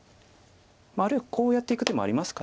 あるいはこうやっていく手もありますか。